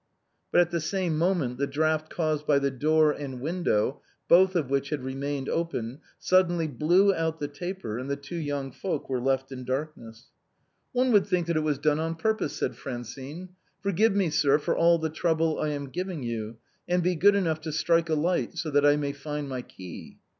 But at the same moment the draught caused by the door and window, both of which had remained open, suddenly blew out the taper, and the two young folks were left in darknesss. " One would think that it was done on purpose," said Francine. " Forgive me, sir, for all the trouble I am giv ing you, and be good enough to strike a light so that I may find my key."